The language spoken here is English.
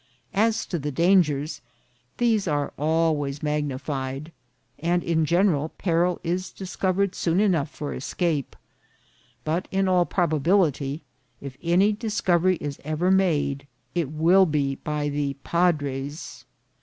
As to the dangers, these are always mag nified, and, in general, peril is discovered soon enough for escape. But in all probability, if any discovery is ever made it will be by the padres.